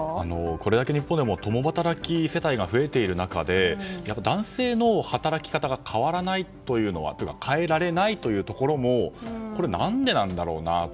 これだけ日本でも共働き世帯が増えている中で男性の働き方が変わらないというか変えられないというところも何でなんだろうなと。